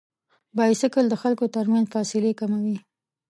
بایسکل د خلکو تر منځ فاصلې کموي.